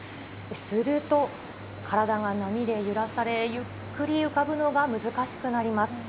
すると、体が波で揺らされ、ゆっくり浮かぶのが難しくなります。